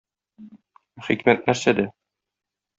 Хикмәт нәрсәдә?